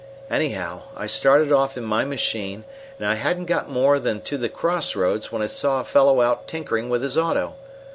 "Anyhow, I started off in my machine, and I hadn't got more than to the crossroads when I saw a fellow out tinkering with his auto.